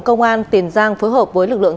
công an tiền giang phối hợp với lực lượng